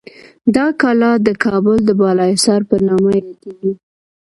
دا کلا د کابل د بالاحصار په نامه یادیږي.